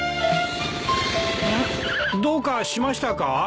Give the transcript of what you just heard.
どうかしましたか？